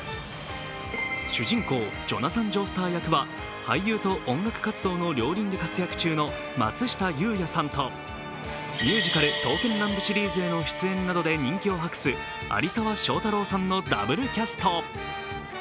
主人公、ジョナサン・ジョースター役は俳優と音楽活動の両輪で活躍中の松下優也さんとミュージカル「刀剣乱舞」シリーズへの出演などで人気を博す有澤樟太郎さんのダブルキャスト。